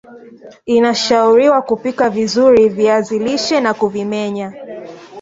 inashauriwa kupika vizuri viazi lishe na kuvimenya